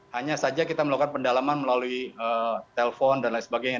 hanya saja kita melakukan pendalaman melalui telepon dan lain sebagainya